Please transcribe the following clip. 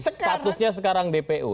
statusnya sekarang dpu